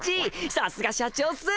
さすが社長っす！